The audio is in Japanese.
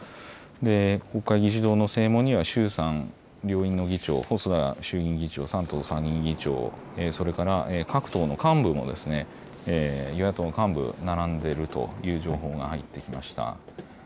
で、国会議事堂の正門には衆参両院の議長、細田衆議院議長、山東参議院議長、それから各党の幹部も、与野党の幹部、並んでいるという情報が入ってきました。